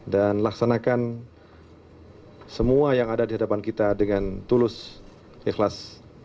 dan laksanakan semua yang ada di hadapan kita dengan tulus ikhlas